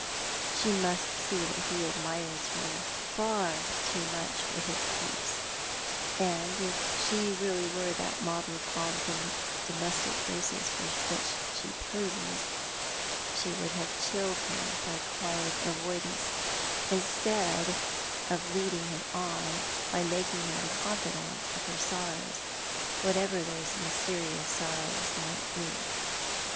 She must see that he admires her far too much for his peace ; and if she were really that model of all the domestic graces for which she poses, she would have chilled him by quiet avoidance, instead of leading him on by making him the confidant of her sorrows, whatever those mysterious sorrows may be.